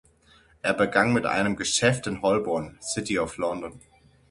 Er begann mit einem Geschäft in Holborn, City of London.